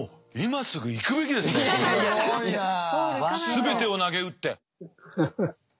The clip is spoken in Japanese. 全てをなげうって。